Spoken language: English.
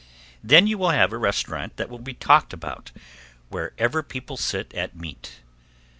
Then you will have a restaurant that will be talked about wherever people sit at meat.